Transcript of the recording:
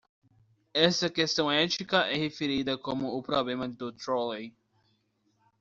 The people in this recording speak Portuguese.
Esta questão ética é referida como o problema do trolley.